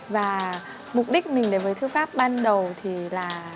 và mục đích mình đến với thư pháp ban đầu thì là